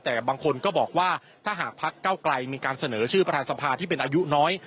แต่บางคนก็บอกว่าถ้าหากพักเก้าไกลมีการเสนอชื่อประธานสภาที่เป็นอายุน้อย